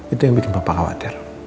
itu yang bikin bapak khawatir